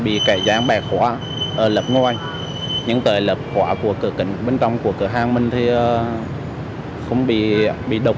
bị kẻ gián bẻ khóa ở lập ngoài nhưng tại lập khóa bên trong của cửa hàng mình thì không bị đột